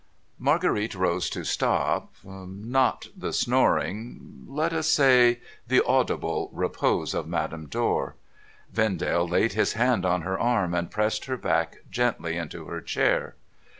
Marguerite rose to stop — not the snoring — let us say, the audible repose of Madame Dor. Vendale laid his hand on her arm, and pressed her back gently into her chair.